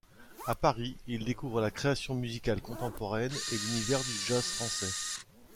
À Paris, il découvre la création musicale contemporaine et l’univers du jazz français.